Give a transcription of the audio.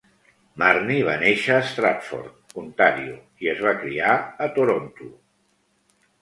Marni va néixer a Stratford, Ontario i es va criar a Toronto.